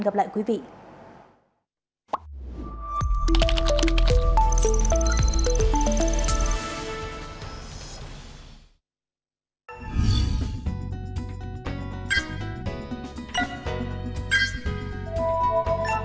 hẹn gặp lại quý vị trong các bản tin tiếp theo